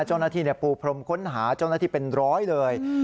เจ้าหน้าที่ปูพรมค้นหาเจ้าหน้าที่เป็นร้อยเลย